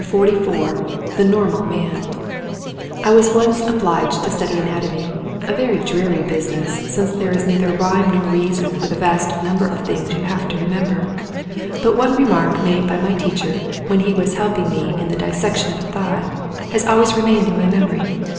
172 XLIV THE NORMAL MAN I WAS once obliged to study anatomy, a very dreary business, since there is neither rhyme nor reason for the vast number of things you have to remember ; but one remark made by my teacher, when he was helping me in the dis section of a thigh, has always remained in my memory.